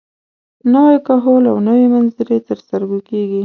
نوی کهول او نوې منظرې تر سترګو کېږي.